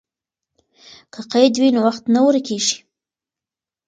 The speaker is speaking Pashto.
که قید وي نو وخت نه ورکېږي.